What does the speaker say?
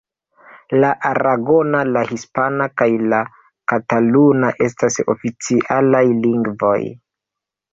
La aragona, la hispana kaj la kataluna estas oficialaj lingvoj.